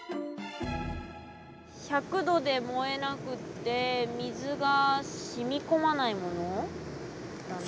１００度で燃えなくって水が染み込まないものだね。